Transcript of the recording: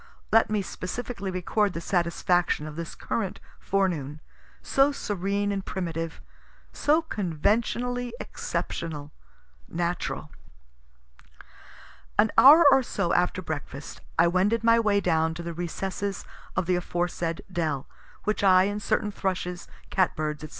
Let me specially record the satisfaction of this current forenoon, so serene and primitive, so conventionally exceptional, natural. An hour or so after breakfast I wended my way down to the recesses of the aforesaid dell, which I and certain thrushes, cat birds, &c.